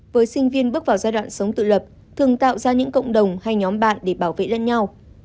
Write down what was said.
với sinh viên bước vào giai đoạn sống tự lập thường tạo ra những cộng đồng hay nhóm bạn để bảo vệ lẫn nhau